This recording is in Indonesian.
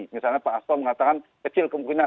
misalnya pak asto mengatakan kecil kemungkinan